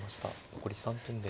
残り３分です。